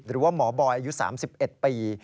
หรือว่าหมอบอยอายุ๓๑ปี